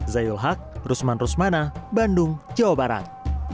zayul haq rusman rusmana bandung jawa barat